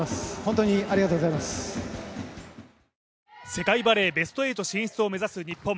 世界バレーベスト８進出を目指す日本。